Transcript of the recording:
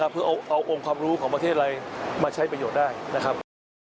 เพื่อเอาองค์ความรู้ของประเทศอะไรมาใช้ประโยชน์ได้นะครับ